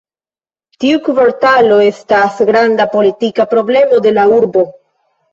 Tiu kvartalo estas granda politika problemo de la urbo.